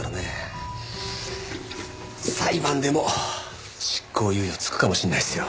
裁判でも執行猶予つくかもしれないっすよ。